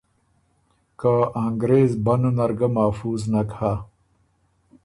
که انګرېز بنوں نر ګۀ محفوظ نک هۀ۔